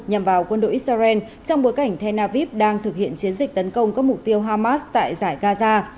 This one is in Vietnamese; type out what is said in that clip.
nhằm vào quân đội israel trong bối cảnh tel aviv đang thực hiện chiến dịch tấn công các mục tiêu hamas tại giải gaza